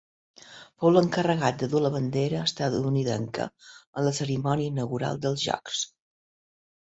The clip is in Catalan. Fou l'encarregat de dur la bandera estatunidenca en la cerimònia inaugural dels Jocs.